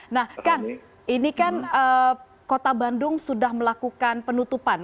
nah kang ini kan kota bandung sudah melakukan penutupan